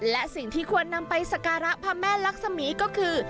และสิ่งที่ควรนำไปสการะพระแม่ลักษมีก็คือ